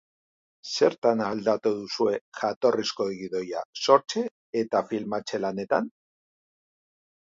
Zertan aldatu duzue jatorrizko gidoia, sortze eta filmatze lanetan?